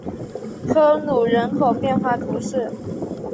科吕人口变化图示